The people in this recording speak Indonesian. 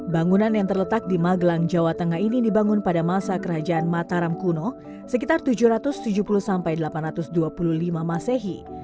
bangunan yang terletak di magelang jawa tengah ini dibangun pada masa kerajaan mataram kuno sekitar tujuh ratus tujuh puluh delapan ratus dua puluh lima masehi